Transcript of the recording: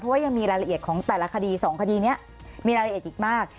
ว่ายังมีรายละเอียดของแต่ละคดี๒คดีนี้มีรายละเอียดอีกมาก